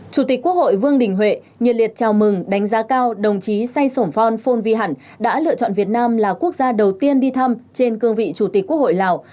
chủ tịch quốc hội vương đình huệ nhiệt liệt chào mừng đánh giá cao đồng chí say sổn phon phong phôn vy hẳn đã lựa chọn việt nam là quốc gia đầu tiên đi thăm trên cương vị chủ tịch quốc hội lào